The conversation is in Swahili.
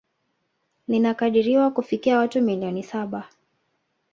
Linakadiriwa kufikia watu milioni saba